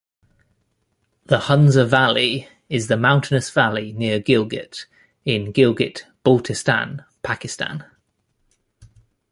The Hunza Valley is the mountainous valley near Gilgit in Gilgit-Baltistan, Pakistan.